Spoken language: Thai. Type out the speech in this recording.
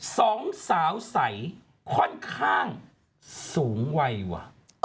สองสาวใสค่อนข้างสูงวัยว่ะ